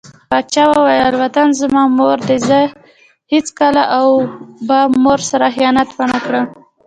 پاچا وويل: وطن زما مور دى هېڅکله او به مور سره خيانت ونه کړم .